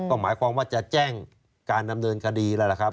ก็หมายความว่าจะแจ้งการดำเนินคดีแล้วล่ะครับ